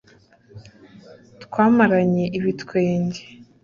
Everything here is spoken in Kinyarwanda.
Twamaranye ibitwenge